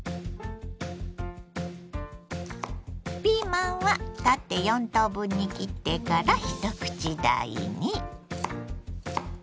ピーマンは縦４等分に切ってから一口大に。